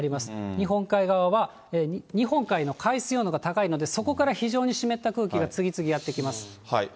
日本海側は日本海の海水温度が高いので、そこから非常に湿った空気が次々やって来ます。